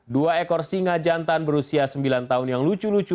dua ekor singa jantan berusia sembilan tahun yang lucu lucu